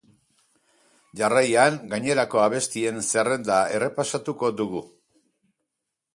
Jarraian, gainerako abestien zerrenda errepasatuko dugu.